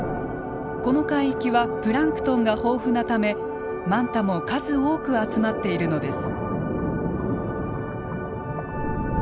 この海域はプランクトンが豊富なためマンタも数多く集まっているのです。